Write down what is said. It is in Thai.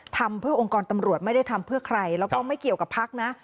ทำเพื่อองค์กรตำรวจไม่ได้ทำเพื่อใครแล้วก็ไม่เกี่ยวกับพักนะ